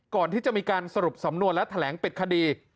ก่อนที่จะมีการสรุปสำนวนและแถลงปิดคดี